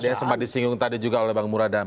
dia sempat disinggung tadi juga oleh bang murad